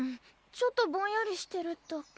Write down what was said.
ちょっとぼんやりしてるだけ。